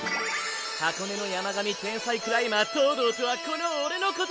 箱根の山神天才クライマー東堂とはこのオレのことだッ！